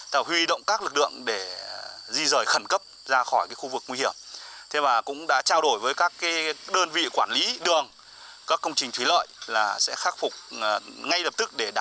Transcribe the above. tạo huy động các lực lượng để di rời khẩn cấp